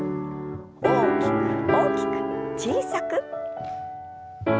大きく大きく小さく。